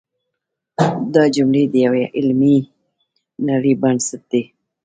دا جملې د یوې علمي نړۍ بنسټ دی.